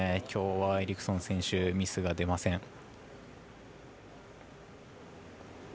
きょうは、エリクソン選手ミスが出ません。